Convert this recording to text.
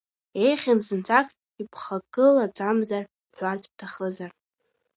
Еиӷьын зынӡаск ибхагылаӡамзар, бҳәарц бҭахызар?